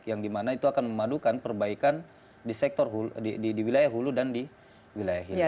yang dimana itu akan memadukan perbaikan di wilayah hulu dan di wilayah hilir